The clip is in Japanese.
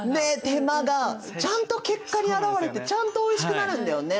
手間がちゃんと結果に表れてちゃんとおいしくなるんだよね。